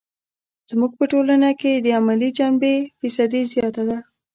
زموږ په ټولنه کې یې د عملي جنبې فیصدي زیاته ده.